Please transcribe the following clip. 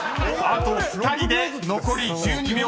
［あと２人で残り１２秒２１］